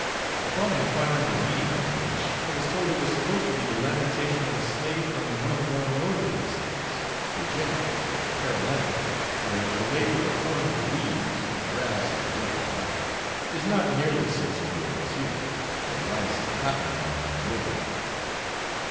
Upon enquiring the meaning of which, I was told it was supposed to be the lamentation of a slave from one of the more northerly states, Virginia or Carolina, where the labour of hoeing the weeds, or grass as they call it, is not nearly so severe as here, in the rice and cotton lands of Georgia.